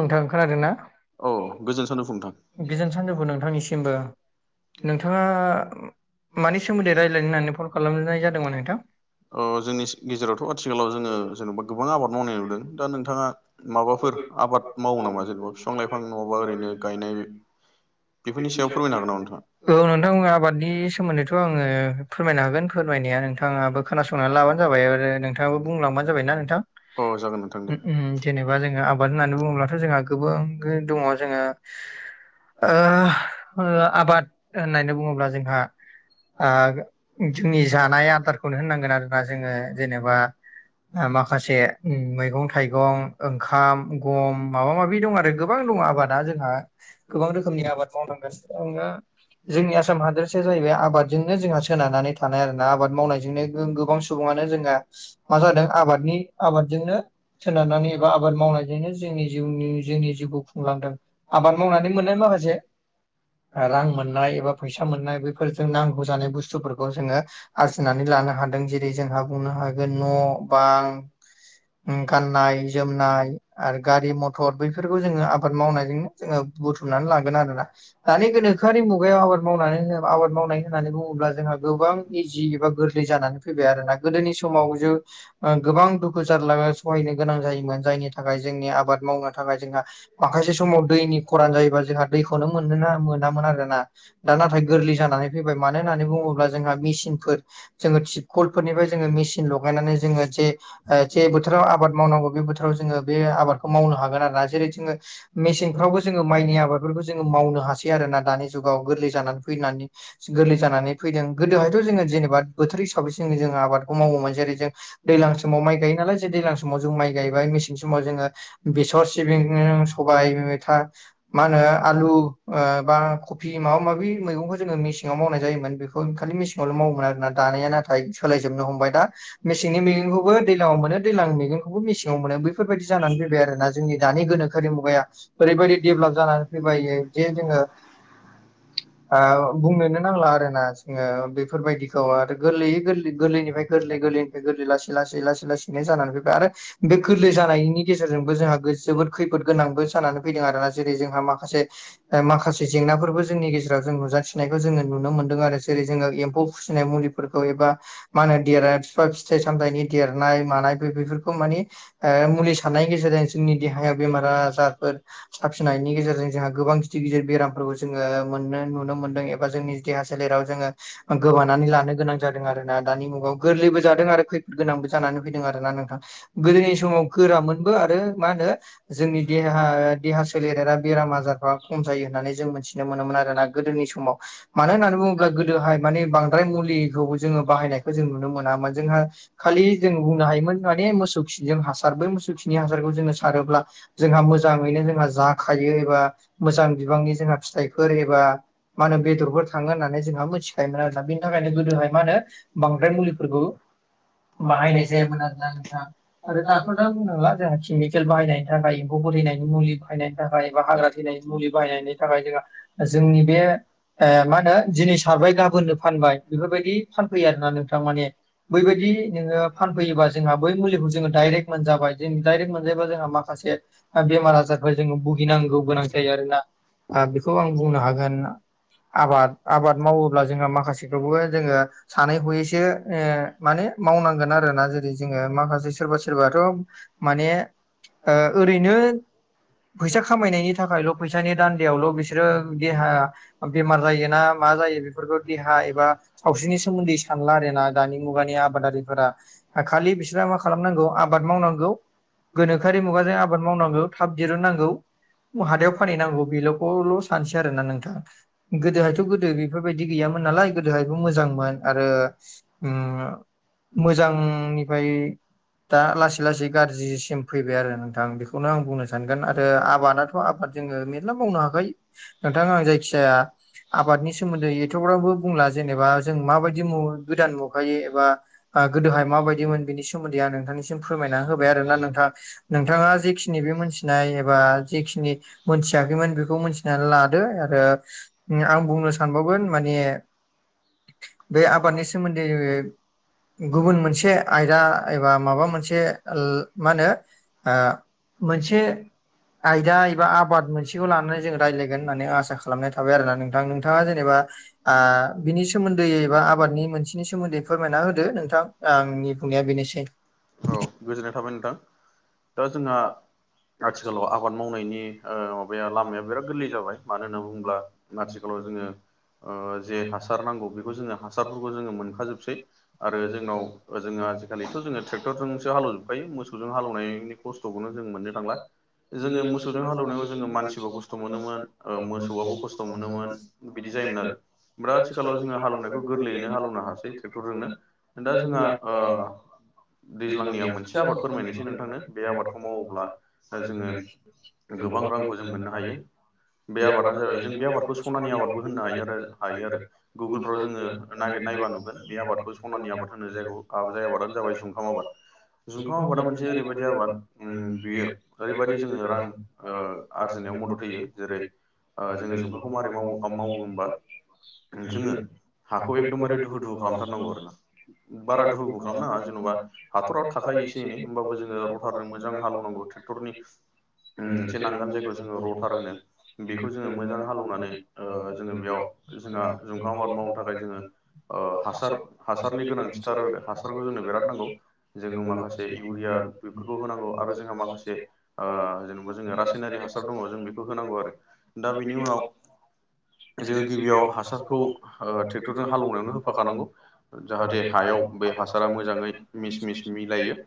नोंथां खोनादों ना गोजोन सानजफु नोंथांनिसिमबो नोंथांङा मानि सोमोन्दै रायज्लायनो होननानै फल खालामनाय जादोंमोन नोंथां अ जोंनि गेजेरावथ' आथिखालाव जोंङो जेनेबा गोबां आबाद मावनाय नुदों दा नोंथांङा माबाफोर आबाद मावो नामा जेनेबा बिफां लाइफां नङाबा ओरैनो गायनाय औ नोंथांमोना आबादनि सोमोन्दै थ' आंङो फोरमायनो हागोन फोरमायनाया नोंथांङाबो खोनासंनानै लाबानो जाबाय आरो नोंथांङाबो बुंलांबानो जाबायनाा नोंथां। [inaudible] बा जोंङो आबाद होननानै बुंङोबथ' जोंहा गोबां दंङ जोंङो ओ आबाद होननानै बुंङोब्ला जोंहा आग जोंनि जानाय आदारखौ खौनो होनांगोन आरोना जोंङो जेनेबा माखासे मैगं थाइगं ओंखाम गम माबा माबि दं आरो गोबां दं आबादा जोंहा गोबां रोखोमनि आबाद मावनांगोनि अनगा जोंनि आसाम हादोरसा जाहैबाय आबादजोंनो जोंहा सोनारनानै थानाय आरोना। आबाद मावनायजोंनो गोबां सुबङानो जोंहा मा जादों आबादनि आबादजोंनो सोनारनानै मावनायजोंनो जोंनि जिउनि जोंनि जिउखौ खुंलांदों आबाद मावनानै मोननाय माखासे रां मोननाय एबा फैसा मोननाय बेैफोरजों नांगौ जानाय बुस्थुफोरखौ जोङो आरजिनानै लानो हादों जे जेरै जोंहा बुंनो हागोन न' बां गाननाय जोमनाय आरो गारि मथर बैफोरखौ जोङो आबाद मावनायजोंनो जोङो बुथुमनानै लागोन आरोना दानि गोनोखोआरि मुगायाव आबाद मावनानै आबाद मावनाय होननानै बुङोब्ला जोंहा गोबां इजि एबा गोरलै जानानै फैबाय आरोना गोदोनि समाव ज गोबां दुखु जरला सहायनो गोनां जायो जायनि थाखाय जोंनि आबाद मावनो थाखाय जोंहा माखासे समाव दैनि खरान जायोबा जोंहा दैखौनो मोना मोनामोन आरो ना दा नाथाय गोरलै जानानै फैबाय मानो होननानै बुङोब्ला जोंहा मेसिनफोर जोङो थिपखलफोरनिफ्राय जोङो मेसिन लगायनानै जोङो जे जे बोथोराव आबाद मावनांगौ बे बोथोर जोंङो बे आबादखौ मावनो हागोन‌ आरो ना जेरै जोङो मसेंफ्रावबो जोंङो माइनि आबादफोरखौ जोङो मावनो हासै आरोना दानि जुगाव गोरलै जानानै फैनानै गोरलै जानानै फैदों गोदोहायथ' जोङो जेनेबा बोथोर हिसाबै जोंहा जोङो आबादखौ मावोमोन जेरै जों दैज्लां समाव माइ गायोनालाय जे दैजां समाव जों माइ गायो बाय मेसें समाव जोङो बेसर सिबिं सबाय मेथा मा होनो आलु ओ बा कफि माबा माबि मैगंखौ जोङो मेसेंआव मावनाय जायोमोन बे थ'ओ खालि मेसिनावल' मावोमोन आरोना दानाया नाथाय सोलायजोबनो हमबाय दा मेसेंनि मैगंखौबो दैज्लाङाव मोनो दैज्लांनि मेगंखौबो मेसें न' मोनो बेैफोरबायदि जानानै फैबाय आरोना जोंनि दानि गोनोखोआि मुगाया [unintelligible] ओ बुंनोनो नांला आरोना जोङो बेफोरबायदिखौ आरो गोरलैयै गोरलै गोरलैनिफ्राय गोरलै गोरलै गोरलै लासै लासै लासै लासै लासैनो जानानै फैबाय आरो बे गोरलै जानायनि जोंहा जोबोद खैफोद गोनांबो जानानै फैदों आरोना जेरै जोंहा माखासे माखासे जेंनाफोरबो जोंनि गेजेराव जों नुजाथिनायखौ जोङो नुनो मोनदों आरो जेरै जोङो एम्फौ फिसिनाय मुलि फोरखौ एबा मा होनो दिराज फिफा फिथाइ सामथाइनि देरनाय मानायफोर बेफोरखौ मानि ओ मुलि सारनायनि गेजेरजों जोंनि देहायाव बेमार आजारफोर साफिनायनि गेजेरजों जोंहा गोबां गिदिर गिदिर बेरामफोरखौ जोङो मोननो नुनो मोनदों एबा जोंनि देहा सोलेराव जोङो गोबानानै लानो गोनां जादों आरो ना दानि मुगाव गोरलैबो जादों आरो खैफोद गोनांबो जानानै फैदों आर ना नोंथां गोदोनि समाव गोरा मोनबो आरो मा होनो जोंनि देहा देहा सोलेरेरा बेराम आजारफाव खम जायो होननानै जों मिथिनो मोनोमोन आरोना गोदोनि समाव मानो होननानै बुङोब्ला गोदोहाय माने बांद्राय मुलिखौ जोङो बाहायनायखौ जों नुनो मोनामोन जोंहा खालि जों बुंनो हायोमोन माने मोसौ जों हासार बै मोसौ खिनि हासारखौ जोङो सारोब्ला जोंहा मोजाङैनो जोंहा जाखायो एबा मोजां बिबांनि जोंहा फिथाइफोर एबा मा होनो बेदरफोर थाङो होननानै जोंहा मिथि आरोना बेनि थाखायनो गोदोहाय मा होनो बांद्राय मुलिफोरखौ बाहायनाय जायोमोन आरो ना नोंथां आरो दाथ' दा बुंनांला जोंहा केमिकेल बाहायनायनि थाखाय एम्फौ बोरहैायनायनि मुलि बाहायनायनि थाखाय एबा हाग्रा मुलि बाहायनायनि थाखाय जोंहा जोंनि बे ओ मा होनो दीनै सारबाय गाबोननो फानबाय बेफोरबायदि फानफैयो आरोना नोंथां माने बैबायदि नोङो फानफैयोबा जोंहा बै मुलिखौ दडाइरेक्ट मोनजाबाय जों डायरेक्ट मोनजायोबा जोंहा माखासे बेमार आजार जों भुगिनांगौ गोनां जायो जायो आरोना आ बेखौ आं बुंनो हागोन ना आबाद आबाद मावोब्ला जोङो माखासेखौबो जोङो सानै हयैसो ओ माने मावनांगोन आरोना जेरै जोङो माखासे सोरबा सोरबाथ' माने ओ ओरैनो फैसा खामायनायनि थाखायल' फैसानि दान्दायावल' बिसोरो देहा बेमार जायोना मा जायो बेफोरखौ देहा एबा सावस्रिनि सोमोन्दै सानला आरो ना दानि मुगानि आबादारिफोरा खालि बिस्रा माख खालामनांगौ आबाद मावनांगौ गोनोखोआरि मुगाजों आबाद मावनांगौ थाब दिरुननांगौ हाथायायाव फानहैनांगौ बेल'खौल' सानसै आरोोना नोंथां गोदोहायथ' गोदो बेफोरबायदि गैयामोन नालाय गोदोहायबो मोजांमोन आरो मोजांनिफ्राय दा लासै लासै गाज्रिसिम फैबाय आरो नोंथां बेखौनो आं बुंनो सानगोन आरो आबादाथ' आबाद जोङो म मावनो हायाखै नोंथांा आं जायखि जाया आबादनि सोमोन्दै एथ'ब्राबबो बुंला जेनेबा मनि सोमोन्दै ओंथांनिसिम फोरमायना होबाय आरोना नोंथा नोंथाङा जेखिनि बे मोनथिनाय एबा जेखिनि मोनथियाखैमोन बेखौ मिथिनानै लादो आरो आं बुंनो सानबावगोन माने बे आबादनि सोमोन्दै ज गुबुन मोनसे आयदा एबा माबा मोनसे मा होनो मोनसे आंजाब एबा आबाद मोनसेखौ लानानै जों रायज्लायगोन होननानै आसा खालामनाय थाबाय आरो ना नोंथां नोंथाङा जेनेबा बिनि सोमोन्दै एबा आबादनि मोनसेनि सोमोन्दै फोरमायना होदो नोंथां आंनि बुंनाया बेनोसै [inaudible] गोजोननाय थाबाय नोंथां दा जोंहा आथिखालाव आबाद मावनायनि माबाया लामाया बिराद गोरलै जाबाय मानो होनना बुङोब्ला आथिखालाव जोङो जे हासार नांगौ बेखौ जोङो हासारफोरखौ जोङो मोनखाजोबसै आरो जोंनाव जोङो आजिखालिथ' जोङो ट्रेक्टरजोंसो हालेजोबखायो मोसजों हालौनायनि खस्थ'खौनो जों मोन ा सनायाव जोङो मानसिबो खस्थ' मोनोमोन मोौआबो खस्थ' मोनोमोन बिदि जायोमोन आरो ओमफ्राय आथिखालावो हालेवनायखौोरैनो हालौनो हासै ट्रेक्टरजोंनो दा जोंहा दैज्लांनि आं मोनसे आबाद फोरमायनोसै नोंथांनो बे आबादखौ मावोब्ला आजनि गोबां रांखौ जों मोननो हायो बे आबादानो जाबाय जों बे आबादखौ सनानि आबादबो होननो हायो आरो हायो आरो गुगोलफ्राव जोङो ागिर नायबा नुगोन बे आादखौ सनानि आबाद होनो जायग जाय आबादानो जाबाय संखाम आबाद जुखाम आबादा मोनसे ओरैबायदि आबाद बियो आरजिनायाव मदद होयो जेरै जोङो जुंखाखौ माबोरै मावोबा खोनदों हाखौ एकदमबारे दुहु दुखु खालामथारनांगौ आरो ना हाथराव थाखायो एसे एनै होमबाबो जोङो रटारजों मोजां हालौनांगौ ट्रेक्टरनि उम मोनसे नांगाल जायखौ जोंङो रथार होनो बेखौ जोंङो मोजां हालेवनानै जोंङो बेयाव सुजा जों माबा मावनानै जोंङो [unintelligible] हासार हासारनि गोनांथिथार हासारखौ जोंनो बिराद नांगौ जोंङो माखासे इउरिया बेफोरखौ होनांगौ आरो जोंहा माखासे औ जोंङो रासायनारि हासार दंङ जों बेखौ होनांगौ आरो दा बिनि उनाव जोङो गिबियाव हासारखौ ट्रेक्टरजों हालेवनायावनो होफाखानांगौ जाहाथे हायाव बे हासारा मोजाङै मिस मििस मिलायो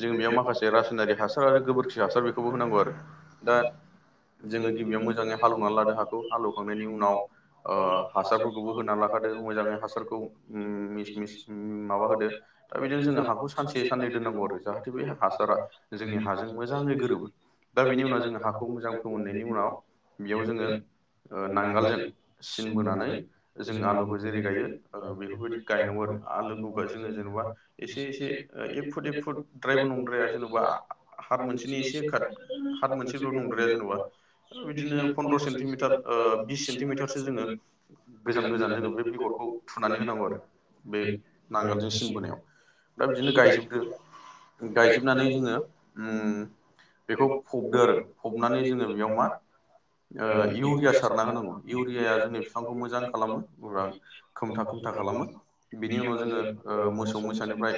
जों बेयाव माखासे रासायनारि हासार आरो गोबोरखि हासार बेखौबो होनांगौ आरो दा जोङो गिबियाव मोजाङै हालेवनानै लादो हाखौ हालेवखांनायनि उनाव हासारफोरखौबो होना लाखादो मोजाङै हासारखौ मिस मिस माबा होदो दा बिदिनो जोङो हाखौ सानसे साननै दोननांगौ आरो जाहाथे दा बेनि उनाव जोंङो हाखौ मोजां फोमोननायनि उनाव बेयाव जोंङो ओ नांगोलजों सिन बोनानै जों आलुखौ जेरै गायो ओ बेफोरबायदि गायनांगौ आरो आलुखौ जोंङो जेनेबा एसे एसे एक फुट एक फुटद्रायबो नंद्राया जेन'बा हाब मोनसेनि एसे खा हाद मोनसेफोर' नंद्राया जेन'बा बिदिनो पन्द्र' सेन्टिमिटार बिस सेन्टिमिटारसो जोंङो गोजान गोजान जोंङो बे बेगरखौ थुनानै होनांगौ आरो बे नांगोलजों सिनबोनायाव ओमफ्राय बिदिनो गायजोबदो गायजोबनानै जोंङो उम बेखौ फबदो आरो फबनानै जोंङो बेयाव मा ओ इउरिया सारना होनांगौ इउरियाया जोंनि बिफांखौ मोजां खालामो बा खोमथा खोमथा खालामो बिनि उनाव जोंङो ओ मोसौ मोसानिफ्राय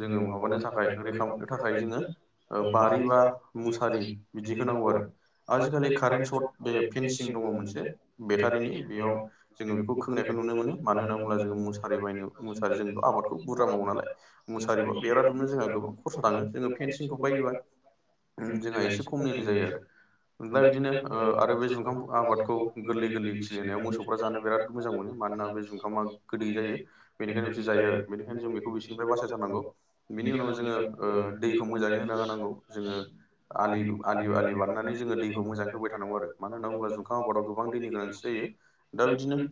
जोंङो माबानो थाखाय थाखाय रैखा मोननो थाखाय जोंङो ओ बारि बा मुसारि बिदि होनांगौ आरो। आजिखालि कारेन्ट सर्ट बे फेनसिं दंङ मोनसे बेटारिनि बेयाव जोंङो बेखौ खोंनायखौ नुनो मोनो मानो होनना बुंब्ला जोंङो मुसारि बायनो मुसारि जोंथ' आबादखौ बुरजा मावो नालाय मुसारिबयाव बेर दुुमनो जोंहा गोबां खस्थ' थांङो जोंङो फेनसिं [unintelligible] आरो जोंहा एसे खमनिनो जायो आरो। दा बिदिनो आरो बे जुखाम आबादखौ गोरलै गोरलै खिलिनायाव मोसौफ्रा जानो बिराद मोजां मोनो मानोना बे जुखामा गोदै जायो बेनिखायनो बिसोर जायो आरो बेनिखायनो जों बेखौ बिसोरनिफ्राय बासायथारनांगौ। बिनि उनाव जोंङो ओ दैखौ मोजांङै होना होनांगौ जोंङो आलि आलि आलि बारनानै जोङो दैखौ मोजांङै होबोय थानांगो मानो होनना बुला जों आबादाव गोबां दैनि गोनांथि जायो। दा बिदिनो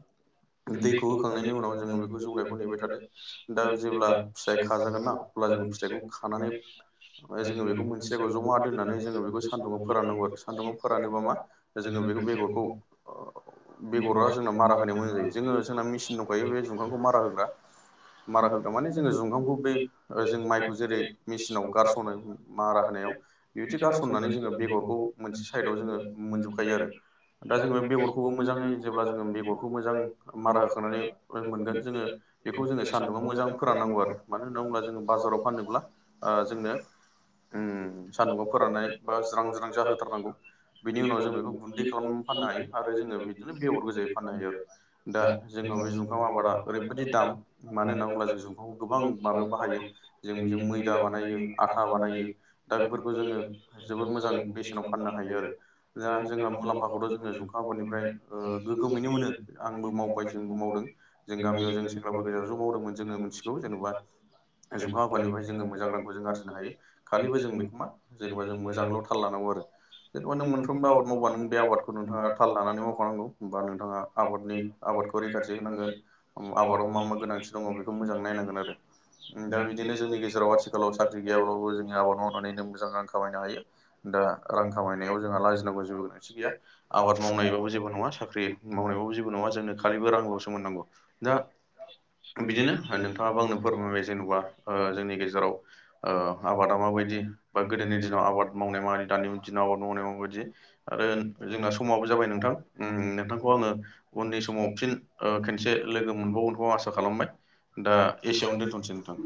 दैखौ होखांनायनि उनाव जोंङो बेखौ जौनायखौ नेबाय थादो दा जेब्ला फिथाय खाजागोन ना [unintelligible] ओमफ्राय जोंङो बेखौ मोनसे जायगायाव जमा दोन्नानै जोंङो बेखौ सान्दुं फोराननांगौ आरो सान्दुुं आव फोरानोबा मा जोंङो बेखौ बेगरखौ ओ बेगरा जोंना मारा होनाय मोजां जायो जोंङो जोंना मेसिन दंखायो बे जुखामखौ मारा होग्रा मारा होग्रा माने जोंङो जुंगामखौ बे ओ जों माइखौ जेरै मेसिनाव गारसनो सनो मारा होनायाव बेबायदि गारसननानै जोंङो बेगरखौ मोनसे साइदआव जोंङो मोनजोबखायो आरो दा जोंङो बेगरखौबो मोजांङै जेब्ला जोंङो बेगरखौ मोजां मारा होखांनानै मोनगोन जोंङो बेखौ जोंङो सानदुंआव मोजां फोराननांगौ आरो मा मानो होनना बुंब्ला जोंङो बाजाराव फानोब्ला ओ जोंनो उम सान्दुंआव फोराननानै बा ज्रां ज्रां जाहोथारनांगौ बिनि उनाव जों बेखौ गुन्दै खालामनानै फाननो हायो आरो जोंङो बिदिनो बेगर गोजायै फाननो हायो आरो। दा जोंनाव बे जुखाम आबादा ओरैबायदि दाम मानो होनना बुंङोब्ला जों जुखाम खौ गोबां माबायाव बाहायो। जों बेजों मैदा बानायो आथा बानायो दा बेफोरखौ जोंङो जोबोद मोजां बेसेनाव फाननो हायो आरो दा जोंहा मुलाम्फाखौथ' जोंङो आबादनिफ्राय ओ गोग्गोमैनो मोनो आंबो मावबाय जोंबो मावदों जों गामियाव जों ह गेजेराव ज' मावदोंमोन जोङो मोनथिगौ जेनेबा जुंखा आफादनिफ्रायाय जोङो मोजां रांखौ जों आरजिनो हायो खालिबो जों बेखौ मा जेनेबा जों मोजाङैल' थाल लानांगौ आरो जेन'बा नों मोनफ्रोमबो आबाद मावबा नों बे आबादखौ नोंथाङा थाल लानानै मावखानांगौ होमबा नोंथाङा आबादनि आबादखौ रैखाथि होनांगोन आबादाव मा मा गोनांथि दङ बेखौ मोजां नायनांगोन आरो दा बिदिनो जोंनि गेजेराव आथिखालाव साख्रि गैयाब्लाबो जों आबाद मावना माने नों मोजां रां खामायनो हायो दा रां खामायनायाव जोंहा लाजिनांगौ जेबो गोनांथि गैया आबाद मावनायबाबो जेबो नंङा साख्रि मावनायबाबो जेबो नंङा जोंनो खालिबो रांल'सो मोननांगौ दा बिदिनो नोंथांङाबो आंनो फोरमायबाय जेनेबा ओ जोंनि गेजेराव ओ आबादा माबायदि बा गोदोनि दिनाव आबाद मावनाय माबायदि दानि दिनाव आबाद मावनाय माबायदि आरो जोंना समाबो जाबाय नोंथां उम नोंथांखौ आंङो उननि समाव फिन ओ खेनसे लोगो मोनबावगोनखौ आं आसा खालामबाय। दा एसेयावनो दोनथ'नोसै नोंथां